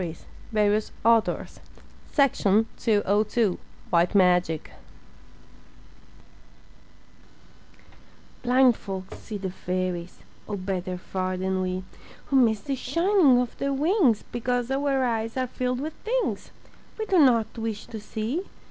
FANCIFUL STORIES WHITE MAGIC Blind folks see the fairies, Oh, better far than we, Who miss the shining of their wings Because our eyes are filled with things We do not wish to see.